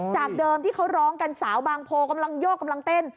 จากเดิมที่เขาร้องกันสาวบางโพกำลังโยกกำลังเต้น